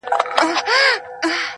په حرامو سړی کله نه مړېږي,